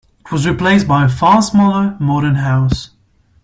It was replaced by a far smaller, modern house.